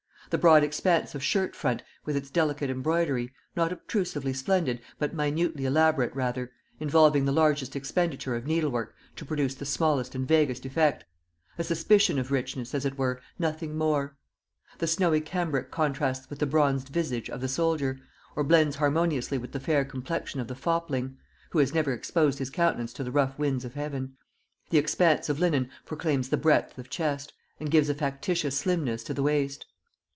The broad expanse of shirt front, with its delicate embroidery, not obtrusively splendid, but minutely elaborate rather, involving the largest expenditure of needlework to produce the smallest and vaguest effect a suspicion of richness, as it were, nothing more; the snowy cambric contrasts with the bronzed visage of the soldier, or blends harmoniously with the fair complexion of the fopling, who has never exposed his countenance to the rough winds of heaven; the expanse of linen proclaims the breadth of chest, and gives a factitious slimness to the waist.